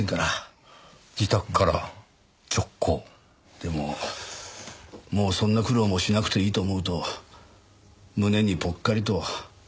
でももうそんな苦労もしなくていいと思うと胸にぽっかりと穴が開いたような気分で。